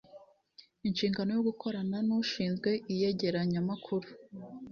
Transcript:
inshingano yo gukorana n ushinzwe iyegeranyamakuru